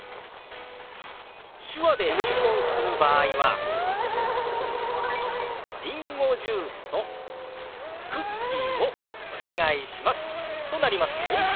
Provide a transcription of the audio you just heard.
手話で注文する場合は「りんごジュースとクッキーをお願いします」となりますよ。